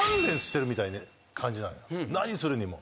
何するにも。